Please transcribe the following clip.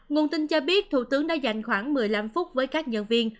nguồn tin cho biết thủ tướng đã dành khoảng một mươi năm phút với các nhân viên